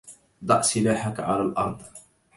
ضع سلاحك على الأرض.